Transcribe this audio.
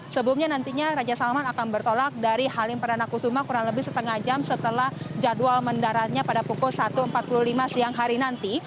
sebelumnya nantinya raja salman akan bertolak dari halim perdana kusuma kurang lebih setengah jam setelah jadwal mendaratnya pada pukul satu empat puluh lima siang hari nanti